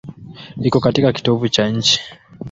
Iko katika kitovu cha nchi.